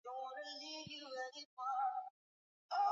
Alifanya mazungumzo na wafanyabiashara wa Kenya